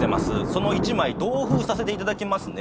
「その１枚同封させていただきますね」